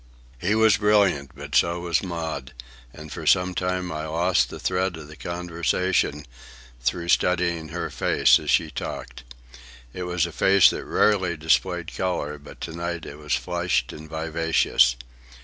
He was brilliant, but so was Maud, and for some time I lost the thread of the conversation through studying her face as she talked. It was a face that rarely displayed colour, but to night it was flushed and vivacious.